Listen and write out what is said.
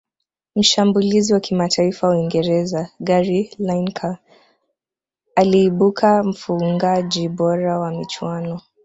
Mshambulizi wa kimataifa wa uingereza gary lineker aliibuka mfungaji bora wa michuano